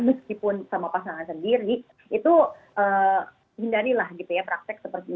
meskipun sama pasangan sendiri itu hindari lah gitu ya praktek seperti ini